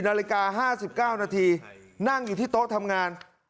นาฬิกา๕๙นาทีนั่งอยู่ที่โต๊ะทำงาน